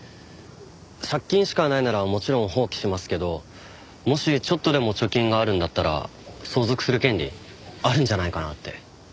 借金しかないならもちろん放棄しますけどもしちょっとでも貯金があるんだったら相続する権利あるんじゃないかなって。